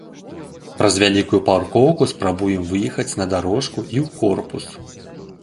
Праз вялікую паркоўку спрабуем выехаць на дарожку і ў корпус.